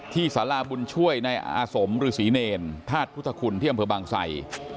ที่สารบุญช่วยในอาสมศรีเนรทาสพุทธคุณเที่ยวเผื่อบางใส